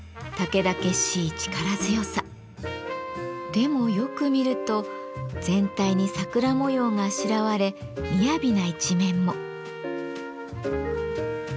でもよく見ると全体に桜模様があしらわれみやびな一面も。